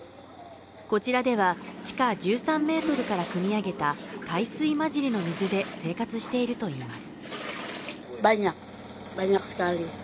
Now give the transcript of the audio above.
こちらでは地下１３ｍからくみ上げた海水混じりの水で生活しているといいます。